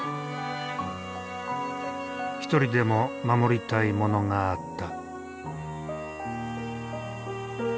一人でも守りたいものがあった。